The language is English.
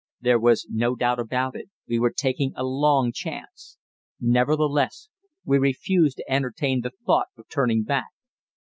There was no doubt about it, we were taking a long chance; nevertheless, we refused to entertain the thought of turning back.